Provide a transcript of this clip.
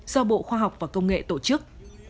do bộ khoa học và công nghệ tổ chức